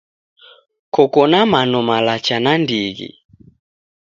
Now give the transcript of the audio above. Koko na mano malacha nandighi.